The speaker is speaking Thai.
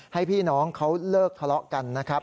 ให้พี่น้องเขาเลิกทะเลาะกันนะครับ